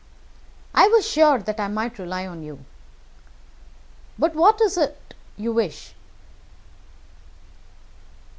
"I was sure that I might rely on you." "But what is it you wish?"